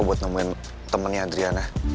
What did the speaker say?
buat nemuin temennya adriana